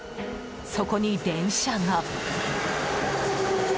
そこに電車が。